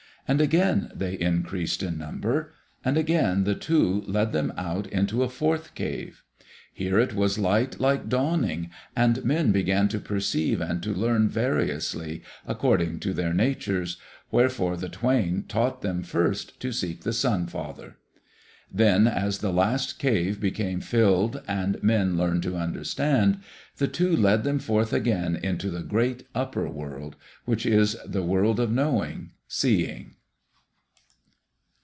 And again they increased in number. And again the Two led them out into a fourth cave. Here it was light like dawning, and men began to perceive and to learn variously, according to their natures, wherefore the Twain taught them first to seek the Sun father. Then as the last cave became filled and men learned to understand, the Two led them forth again into the great upper world, which is the World of Knowing Seeing.